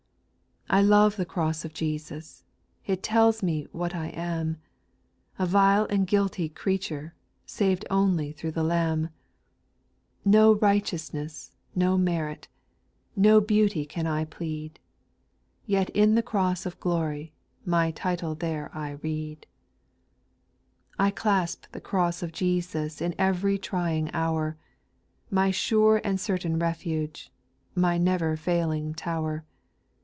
2. I love the cross of Jesus, It telJs me what I am ; A vile and guilty creatMte, Saved only through the liwab SPIRITUAL SONGS. . 42(J No righteousness, no meiit, No beauty can I plead ; Yet in the cross I glory, My title there I read. 8. I clasp the cross of Jesus In ev'ry trying hour, My sure and certain refuge, My never failing tower.